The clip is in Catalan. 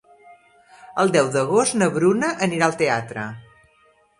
El deu d'agost na Bruna anirà al teatre.